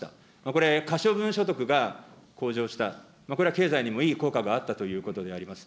これ、可処分所得が向上した、これは経済にもいい効果があったということであります。